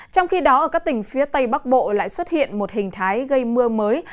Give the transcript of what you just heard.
trong khi đó ở các tỉnh phía tây bắc bộ lại xuất hiện một hình thái gây mưa mới